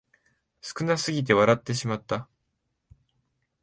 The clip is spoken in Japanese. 少なすぎて笑ってしまった